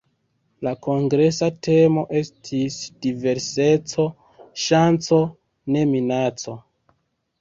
La kongresa temo estis "Diverseco: ŝanco, ne minaco".